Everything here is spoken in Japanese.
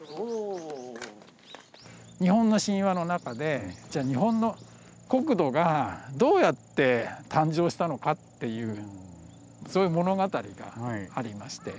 日本の神話の中で日本の国土がどうやって誕生したのかっていうそういう物語がありまして。